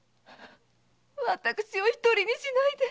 私を一人にしないで！